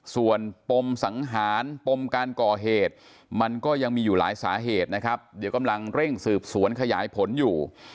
ส่วนปมสังหารปมการก่อเหตุมันก็ยังมีอยู่หลายสาเหตุนะครับเดี๋ยวกำลังเร่งสืบสวนขยายผลอยู่